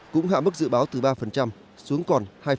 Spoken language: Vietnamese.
cũng hạ mức dự báo từ ba xuống còn hai